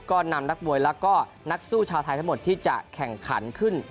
ก็นำนักมวยแล้วก็นักสู้ชาวไทยทั้งหมดที่จะแข่งขันขึ้น